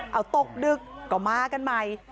เอาตกดึกก็มากันใหม่